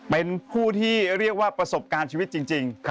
เป็นผู้ที่เรียกว่าประสบการณ์ชีวิตจริง